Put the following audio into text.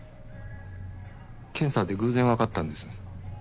検査で偶然分かったんです。